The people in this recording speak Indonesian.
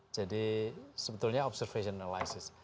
jadi sebetulnya observation analysis